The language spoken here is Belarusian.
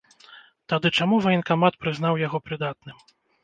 Тады чаму ваенкамат прызнаў яго прыдатным?